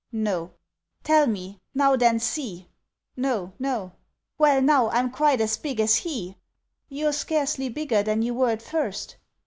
"No!" "Tell me! now then see!" "No, no!" "Well, now I'm quite as big as he?" "You're scarcely bigger than you were at first!"